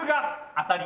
当たり。